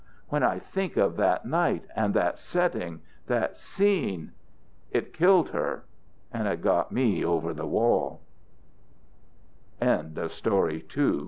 When I think of that night and that setting, that scene! It killed her, and it got me over the wall " THEY GRIND EXCEEDING SMALL